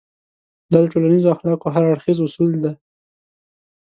دا د ټولنيزو اخلاقو هر اړخيز اصول دی.